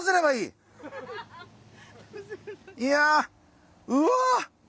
いやうわ！